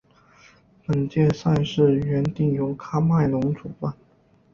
本届赛事原定由喀麦隆主办。